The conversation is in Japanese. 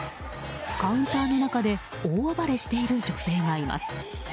カウンターの中で大暴れしている女性がいます。